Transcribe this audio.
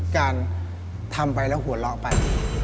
การทำไปแล้วหัวเราะไป